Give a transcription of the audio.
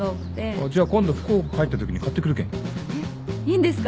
あっじゃあ今度福岡帰ったときに買ってくるけん。えっいいんですか？